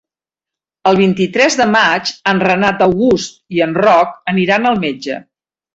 El vint-i-tres de maig en Renat August i en Roc aniran al metge.